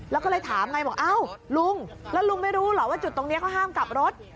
แล้วก็เลยถามไงบอกอ้าวลุงแล้วลุงไม่รู้เหรอว่าจุดตรงนี้เขาห้ามกลับรถ